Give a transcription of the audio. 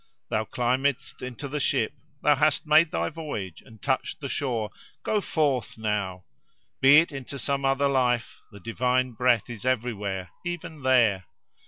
Thou climbedst into the ship, thou hast made thy voyage and touched the shore. Go forth now! Be it into some other life: the divine breath is everywhere, even there.